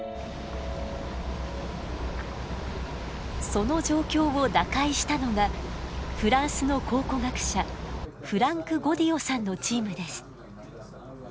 その状況を打開したのがフランスの考古学者フランク・ゴディオさんのチームです。